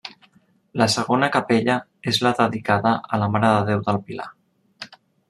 La segona capella és la dedicada a la mare de déu del Pilar.